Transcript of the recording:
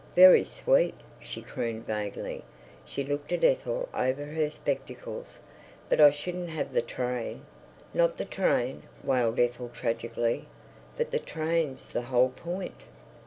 "Very sweet!" she crooned vaguely; she looked at Ethel over her spectacles. "But I shouldn't have the train." "Not the train!" wailed Ethel tragically. "But the train's the whole point."